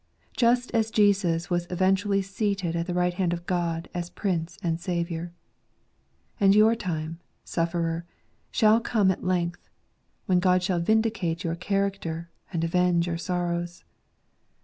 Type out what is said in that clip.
Just as Jesus was eventually seated at the right hand of God, as Prince and Saviour. And your time, sufferer, shall come at length, when God shall vindicate your character, and avenge your sorrows.